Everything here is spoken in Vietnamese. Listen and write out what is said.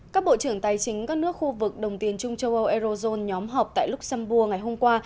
các bộ trưởng tài chính các nước khu vực đồng tiền trung châu âu eurozone nhóm họp tại luxembourg ngày hôm qua